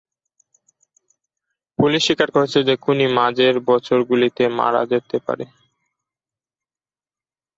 Police স্বীকার করেছে যে খুনি মাঝের বছরগুলিতে মারা যেতে পারে।